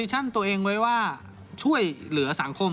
โปสิชั่นตัวเองไว้ว่าช่วยเหลือสังคมถูกไหม